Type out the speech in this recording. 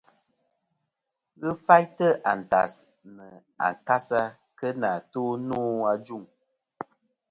Ghɨ faytɨ àntas nɨ a kasa kɨ nà to nô ajuŋ.